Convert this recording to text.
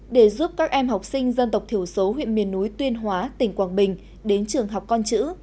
để giúp các em học sinh dân tộc thiểu số huyện miền núi tuyên hóa tỉnh quảng bình đến trường học con chữ